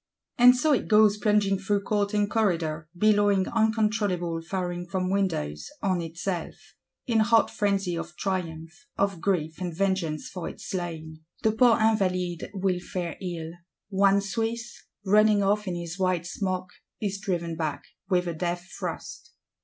And so it goes plunging through court and corridor; billowing uncontrollable, firing from windows—on itself: in hot frenzy of triumph, of grief and vengeance for its slain. The poor Invalides will fare ill; one Swiss, running off in his white smock, is driven back, with a death thrust.